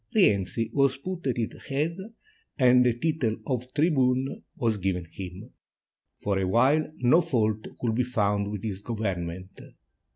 Rienzi was put at its head, and the title of "Tribune" was given him. For a while no fault could be found with his government.